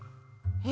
え